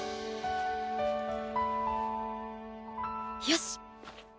よし！